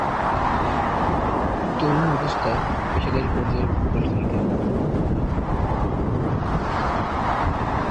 তরুণ অবস্থায় পেশাদারী পর্যায়ে ফুটবল খেলতেন।